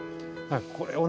これをね